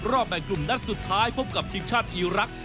แบ่งกลุ่มนัดสุดท้ายพบกับทีมชาติอีรักษ